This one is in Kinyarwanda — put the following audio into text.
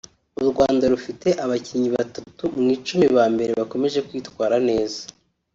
u Rwanda rufite abakinnyi batatu mu icumi ba mbere bakomeje kwitwara neza